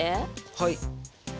はい。